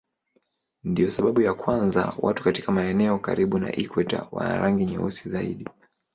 Ndiyo sababu ya kwamba watu katika maeneo karibu na ikweta wana rangi nyeusi zaidi.